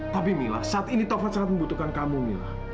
tapi mila saat ini taufan sangat membutuhkan kamu mila